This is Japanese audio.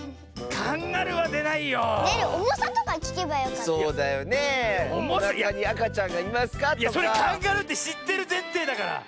カンガルーってしってるぜんていだから！